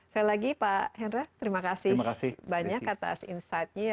saya lagi pak hendra terima kasih banyak atas insight nya